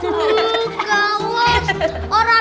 kak aku gamal kunan senat